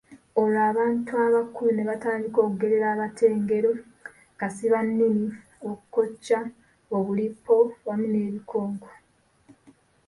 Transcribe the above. Olwo abantu abakulu ne batandika okugerera abato engero, kasiba nnimi, okukokya, obulippo, wamu n'ebikokko.